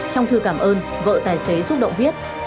trong thư cảm ơn vợ tài xế xúc động viết